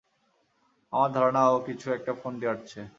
আমার ধারণা ও কিছু একটা ফন্দি আঁটছে।